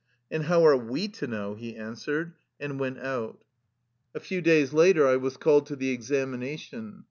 "And how are we to know?" he answered, and went out. A few days later I was called to the examina tion.